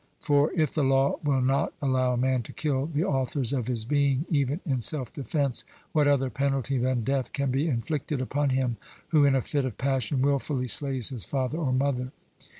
For if the law will not allow a man to kill the authors of his being even in self defence, what other penalty than death can be inflicted upon him who in a fit of passion wilfully slays his father or mother?